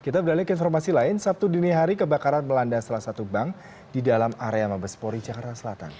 kita beralih ke informasi lain sabtu dini hari kebakaran melanda salah satu bank di dalam area mabespori jakarta selatan